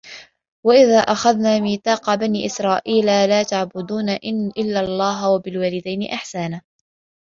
وَإِذْ أَخَذْنَا مِيثَاقَ بَنِي إِسْرَائِيلَ لَا تَعْبُدُونَ إِلَّا اللَّهَ وَبِالْوَالِدَيْنِ إِحْسَانًا